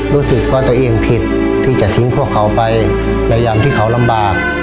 รู้สึกว่าตัวเองผิดที่จะทิ้งพวกเขาไปในยามที่เขาลำบาก